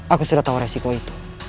aku sudah tahu resiko itu